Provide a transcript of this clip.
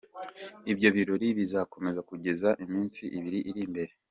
Ibyo birori bizakomeza kugeza iminsi ibiri iri imbere.